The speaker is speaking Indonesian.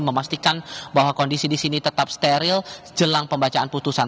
memastikan bahwa kondisi di sini tetap steril jelang pembacaan putusan